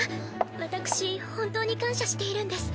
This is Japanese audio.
私本当に感謝しているんです。